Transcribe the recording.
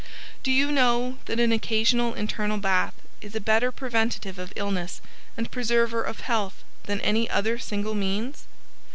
Do you know that an occasional Internal Bath is a better preventive of illness and preserver of health than any other single means?